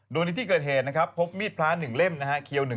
โดยที่ที่เกิดเหตุนะครับพบมีดพล้าน๑เล่มเคี่ยว๑อัน